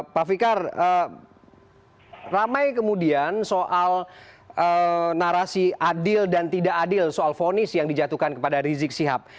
pak fikar ramai kemudian soal narasi adil dan tidak adil soal vonis yang dijatuhkan kepada rizik sihab